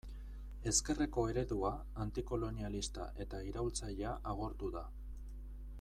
Ezkerreko eredua, antikolonialista eta iraultzailea agortu da.